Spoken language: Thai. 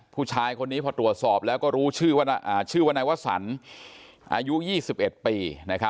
ผู้ชายคนนี้พอตรวจสอบแล้วก็รู้ชื่อว่านายวสันอายุ๒๑ปี